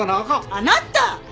あなた！